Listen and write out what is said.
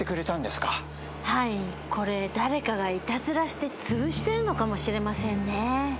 これ誰かがいたずらしてつぶしてるのかもしれませんね。